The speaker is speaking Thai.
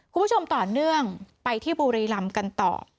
คุณผู้ชมต่อเนื่องไปที่บุรีรำกันต่อ